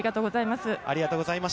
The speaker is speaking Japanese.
◆ありがとうございます。